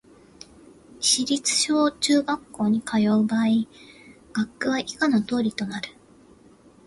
市立小・中学校に通う場合、学区は以下の通りとなる